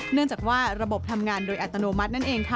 เนื่องจากว่าระบบทำงานโดยอัตโนมัตินั่นเองค่ะ